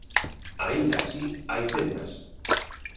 Aínda así, hai fendas.